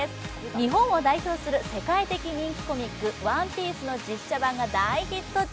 日本を代表する世界的人気コミック「ＯＮＥＰＩＥＣＥ」の実写版が大ヒット中。